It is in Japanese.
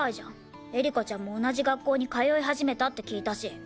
エリカちゃんも同じ学校に通い始めたって聞いたし。